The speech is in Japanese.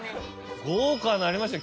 豪華になりましたよ